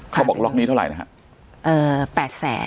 เขาบอกล็อกนี้เท่าไหร่นะครับ